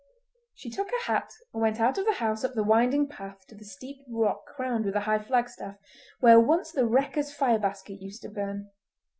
She took her hat and went out of the house up the winding path to the steep rock crowned with a high flagstaff, where once the wreckers' fire basket used to burn.